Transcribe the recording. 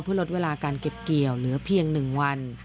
เพื่อลดเวลาการเก็บเกี่ยวเหลือเพียง๑วัน